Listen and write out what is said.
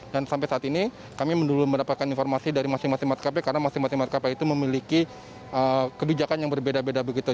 dan sampai saat ini kami belum mendapatkan informasi dari masing masing maskapai karena masing masing maskapai itu memiliki kebijakan yang berbeda beda begitu